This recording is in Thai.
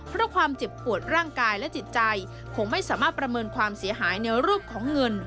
เพราะความเจ็บปวดร่างกายและจิตใจคงไม่สามารถประเมินความเสียหายในรูปของเงิน